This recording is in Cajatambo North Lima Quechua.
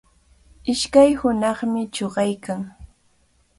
Ishkay hunaqnami chuqaykan.